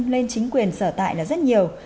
nên chính quyền sở tại là rất nhiều